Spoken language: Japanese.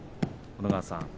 小野川さん